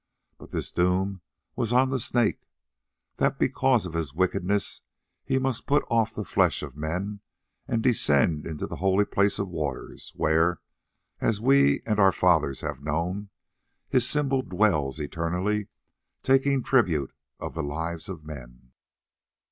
But this doom was on the Snake, that because of his wickedness he must put off the flesh of men and descend into the holy place of waters, where, as we and our fathers have known, his symbol dwells eternally, taking tribute of the lives of men.